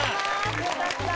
よかった。